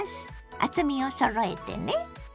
厚みをそろえてね。